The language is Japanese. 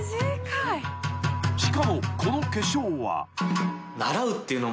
［しかもこの化粧は］